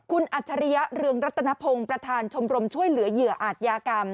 คุณอัจฉริยะเรืองรัตนพงศ์ประธานชมรมช่วยเหลือเหยื่ออาจยากรรม